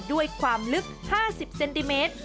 ด้วยความลึก๕๐เซนติเมตร